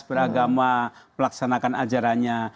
beragama melaksanakan ajarannya